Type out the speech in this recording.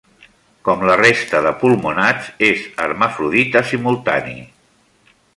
Com la resta de pulmonats, és hermafrodita simultani.